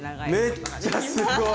めっちゃすごい！